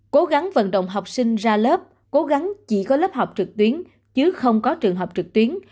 cố gắng vận động học sinh ra lớp cố gắng chỉ có lớp học trực tuyến chứ không có trường học trực tuyến